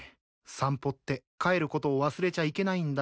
散歩って帰ることを忘れちゃいけないんだよ。